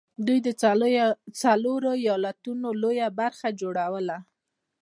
دوی د څلورو ايالتونو لويه برخه جوړوله